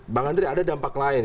bang andri ada dampak lain